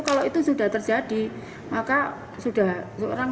kalau itu sudah terjadi maka orang sudah pasti akan tertarik